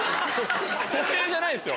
蘇生じゃないですよ。